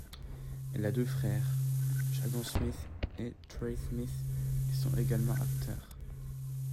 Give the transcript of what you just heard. Elle a deux frères, Jaden Smith et Trey Smith qui sont également acteurs.